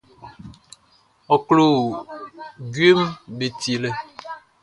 Ɔ klo jueʼm be tielɛ.